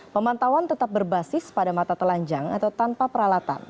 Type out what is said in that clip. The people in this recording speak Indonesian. pemantauan tetap berbasis pada mata telanjang atau tanpa peralatan